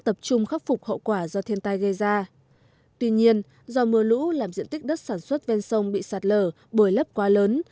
tuy nhiên do mưa lũ làm diện tích đất sản xuất ven sông bị sạt lở bồi lấp quá lớn